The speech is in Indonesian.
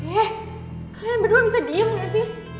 eh kalian berdua bisa diem gak sih